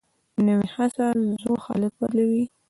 نوې هڅه زوړ حالت بدلوي